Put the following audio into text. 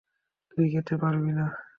তুই যেতে পারবি না।